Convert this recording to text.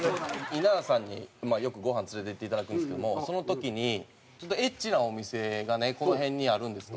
稲田さんによくご飯連れていって頂くんですけどもその時にちょっとエッチなお店がこの辺にあるんですと。